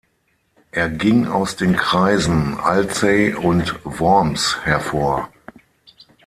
Er ging aus den Kreisen Alzey und Worms hervor.